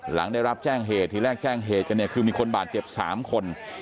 หลังได้รับแจ้งเหตุทีแรกแจ้งเหตุกันเนี่ยคือมีคนบาดเจ็บ๓คน